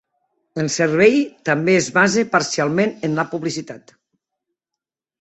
El servei també es basa parcialment en la publicitat.